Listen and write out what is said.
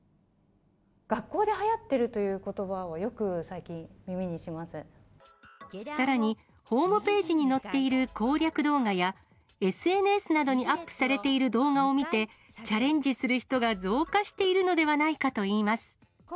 学校ではやっているというこさらに、ホームページに載っている攻略動画や、ＳＮＳなどにアップされている動画を見て、チャレンジする人が増加しているのではないかといいます。